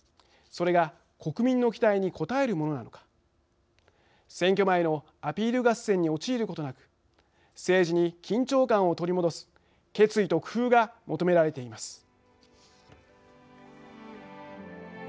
それが国民の期待に応えるものなのか選挙前のアピール合戦に陥ることなく政治に緊張感を取り戻す決意と工夫が求められています。